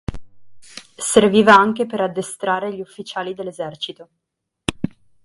Serviva anche per addestrare gli ufficiali dell'esercito.